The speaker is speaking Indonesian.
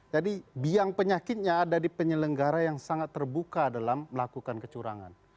jadi biang penyakitnya ada di penyelenggara yang sangat terbuka dalam melakukan kecurangan